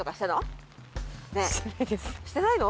してないの？